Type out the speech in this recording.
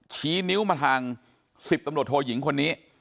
ชี้นิ้วมาทาง๑๐ตำรวจโทยิงคนนี้